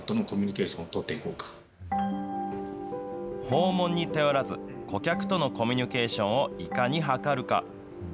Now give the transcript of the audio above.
訪問に頼らず、顧客とのコミュニケーションをいかに図るか。